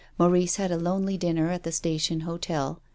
Mau rice had a lonely dinner at the station hotel.